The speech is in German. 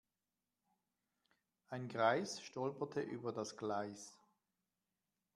Ein Greis stolperte über das Gleis.